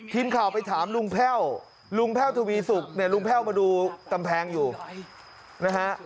ทีมข่าวไปถามลุงแพ่วลุงแพ่วทวีสุกเนี่ยลุงแพ่วมาดูกำแพงอยู่นะฮะ